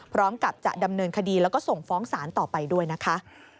พร้อมกับจะดำเนินคดีแล้วก็ส่งฟ้องศาลต่อไปด้วยนะคะ